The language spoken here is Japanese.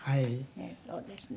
そうですね。